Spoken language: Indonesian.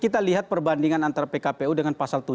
kita lihat perbandingan antara pkpu dengan pasal tujuh